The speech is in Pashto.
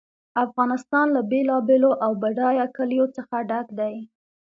افغانستان له بېلابېلو او بډایه کلیو څخه ډک دی.